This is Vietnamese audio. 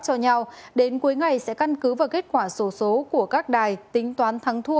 cho nhau đến cuối ngày sẽ căn cứ vào kết quả sổ số của các đài tính toán thắng thu